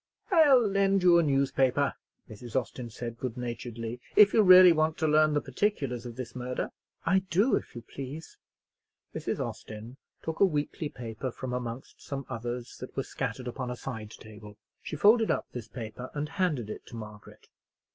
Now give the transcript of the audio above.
"I'll lend you a newspaper," Mrs. Austin said, good naturedly, "if you really want to learn the particulars of this murder." "I do, if you please." Mrs. Austin took a weekly paper from amongst some others that were scattered upon a side table. She folded up this paper and handed it to Margaret.